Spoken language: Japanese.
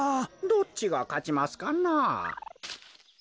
どっちがかちますかな？